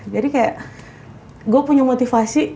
jadi kayak gue punya motivasi